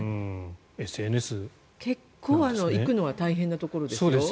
結構行くのは大変なところですよ。